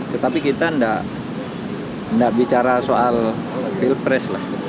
tetapi kita tidak bicara soal pilpres lah